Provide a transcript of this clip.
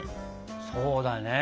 そうだね。